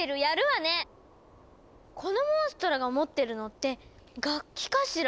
このモンストロが持ってるのって楽器かしら？